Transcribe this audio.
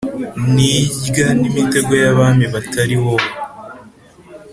ni rya ni imitego y’abami batari wowe,